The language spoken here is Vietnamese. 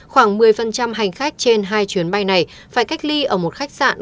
khoảng một mươi hành khách trên hai chuyến bay này phải cách ly ở một khách sạn